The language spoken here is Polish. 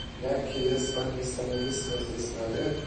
Jakie jest pani stanowisko w tej sprawie?